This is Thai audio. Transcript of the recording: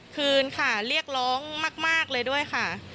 คืนค่ะเรียกร้องมากเลยด้วยค่ะ